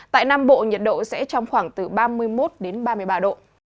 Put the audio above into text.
tại nam bộ nhiệt độ sẽ trong khoảng từ ba mươi một đến ba mươi ba độ